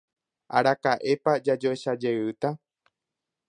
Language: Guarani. Araka'épa jajoechajeýta.